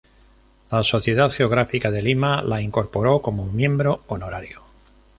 La Sociedad Geográfica de Lima la incorporó como miembro honorario.